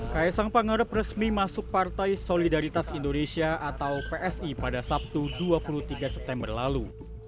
kaisang pangarep resmi masuk partai solidaritas indonesia atau psi pada sabtu dua puluh tiga september lalu